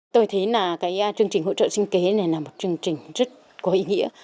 tôi thấy là cái chương trình hỗ trợ sinh kế này là một chương trình rất có ý nghĩa